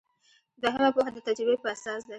دوهمه پوهه د تجربې په اساس ده.